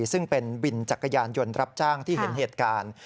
ซึ่งเป็นวินจักรยานยนต์รับจ้างที่เห็นเหตุการณ์